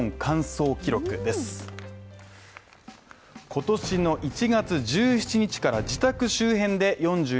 今年の１月１７日から自宅周辺で４２．１９５